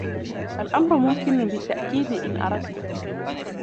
الأمر ممكن بالتأكيد إن أردت.